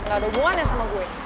gak ada hubungannya sama gue